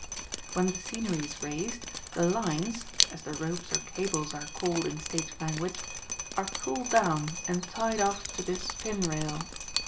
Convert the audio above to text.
When the scenery is raised, the "lines," as the ropes or cables are called in stage language, are pulled down and tied off to this "pin rail."